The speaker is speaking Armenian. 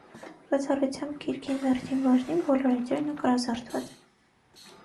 Բացառութեամբ գիրքին վերջին բաժնին, բոլոր էջերը նկարազարդուած են։